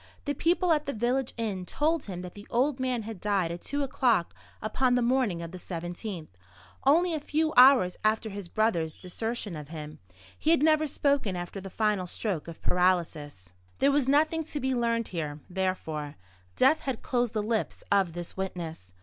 The people at the village inn told him that the old man had died at two o'clock upon the morning of the 17th, only a few hours after his brother's desertion of him. He had never spoken after the final stroke of paralysis. There was nothing to be learned here, therefore. Death had closed the lips of this witness.